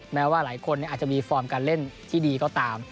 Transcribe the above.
แม้ว่าหลายคนอาจจะมีฟอร์มการเล่นที่ดีก็ตาม